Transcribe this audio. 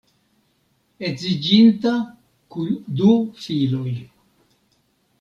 Edziĝinta kun du filoj.